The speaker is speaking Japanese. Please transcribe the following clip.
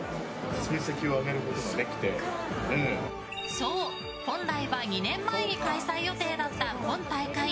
そう、本来は２年前に開催予定だった本大会。